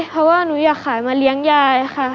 เพราะว่าหนูอยากขายมาเลี้ยงยายค่ะ